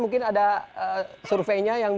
mungkin ada surveinya yang